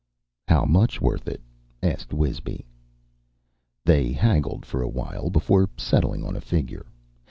"How much worth it?" asked Wisby. They haggled for a while before settling on a figure.